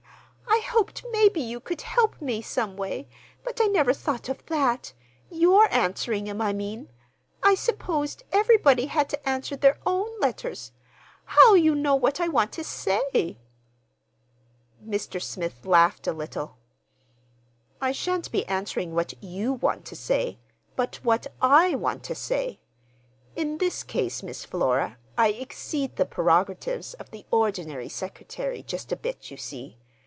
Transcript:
I hoped maybe you could help me some way, but I never thought of that—your answering 'em, I mean. I supposed everybody had to answer their own letters. How'll you know what I want to say?" Mr. Smith laughed a little. "I shan't be answering what you want to say—but what I want to say. In this case, Miss Flora, I exceed the prerogatives of the ordinary secretary just a bit, you see.